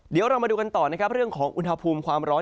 เดี๋ยวเรามาดูกันต่อนะครับเรื่องของอุณหภูมิความร้อน